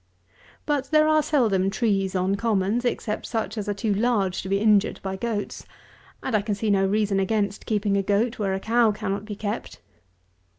But there are seldom trees on commons, except such as are too large to be injured by goats; and I can see no reason against keeping a goat where a cow cannot be kept.